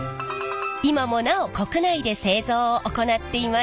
今もなお国内で製造を行っています。